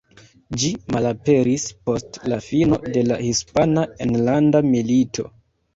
Ĝi malaperis post la fino de la Hispana Enlanda Milito.